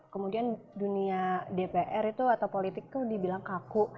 kemudian dunia dpr itu atau politik itu dibilang kaku